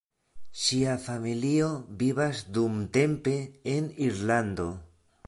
Ŝia familio vivas dumtempe en Irlando.